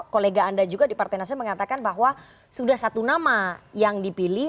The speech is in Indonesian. kolega anda juga di partai nasdem mengatakan bahwa sudah satu nama yang dipilih